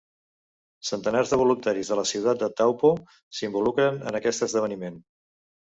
Centenars de voluntaris de la ciutat de Taupo s'involucren en aquest esdeveniment.